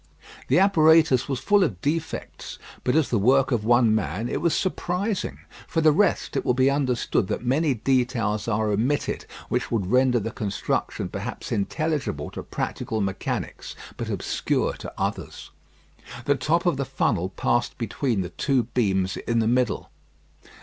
The apparatus was full of defects; but as the work of one man, it was surprising. For the rest, it will be understood that many details are omitted which would render the construction perhaps intelligible to practical mechanics, but obscure to others. The top of the funnel passed between the two beams in the middle.